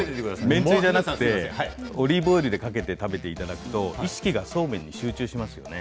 麺つゆではなくオリーブオイルでかけていただくと意識がそうめんに集中しますよね。